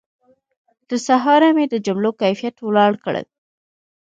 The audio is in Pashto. تر سهاره مې د جملو کیفیت لوړ کړ.